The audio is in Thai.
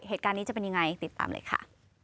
เหตุการณ์นี้จะเป็นยังไงติดตามเลยค่ะ